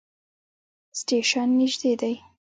سټیشن نژدې دی